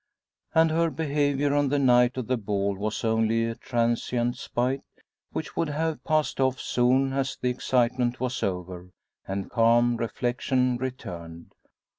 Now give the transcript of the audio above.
and her behaviour on the night of the ball was only a transient spite which would have passed off soon as the excitement was over, and calm reflection returned.